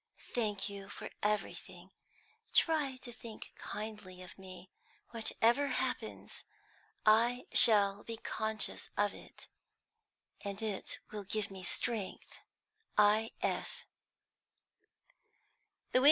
I thank you for everything. Try to think kindly of me, whatever happens; I shall be conscious of it, and it will give me strength. I.